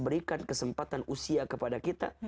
berikan kesempatan usia kepada kita